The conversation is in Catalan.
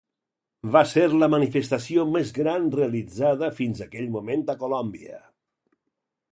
Va ser la manifestació més gran realitzada fins aquell moment a Colòmbia.